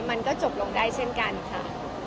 มันก็จบลงได้เช่นกันค่ะ